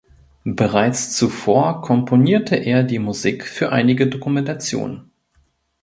Bereits zuvor komponierte er die Musik für einige Dokumentationen.